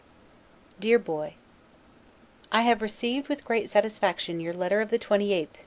1748 DEAR BOY: I have received, with great satisfaction, your letter of the 28th N.